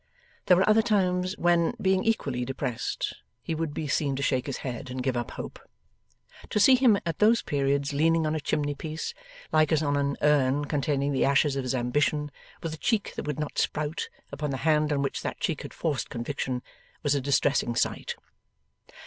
There were other times when, being equally depressed, he would be seen to shake his head, and give up hope. To see him at those periods leaning on a chimneypiece, like as on an urn containing the ashes of his ambition, with the cheek that would not sprout, upon the hand on which that cheek had forced conviction, was a distressing sight.